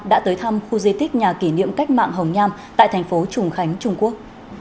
đã tới thăm khu di tích nhà kỷ niệm cách mạng hồng nham tại thành phố trùng khánh trung quốc